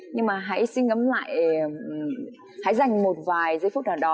nhưng mà hãy xin ngấm lại hãy dành một vài giây phút nào đó